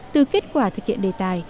từ kết quả thực hiện đề tài